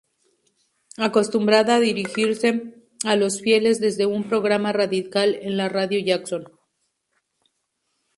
Acostumbraba dirigirse a los fieles desde un programa radial en la Radio Jackson.